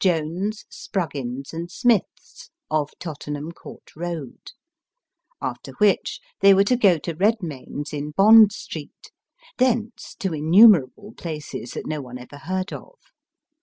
Jones, Spruggins, and Smith's, of Tottenham Court Eoad ; after which, they were to go to Redmayne's in Bond Street ; thence, to innumerable places that no one ever heard of.